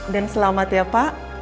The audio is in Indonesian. dan selamat ya pak